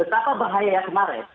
betapa bahaya yang kemarin